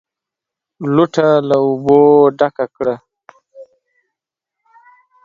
لوټه له اوبو ډکه کړه!